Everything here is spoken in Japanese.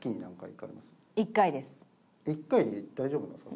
１回で大丈夫なんですか？